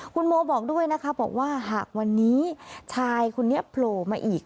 คุณโมบอกด้วยนะคะบอกว่าหากวันนี้ชายคนนี้โผล่มาอีก